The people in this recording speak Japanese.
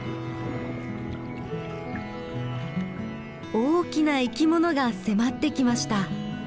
大きな生きものが迫ってきました。